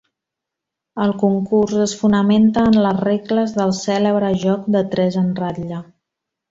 El concurs es fonamenta en les regles del cèlebre joc de tres en ratlla.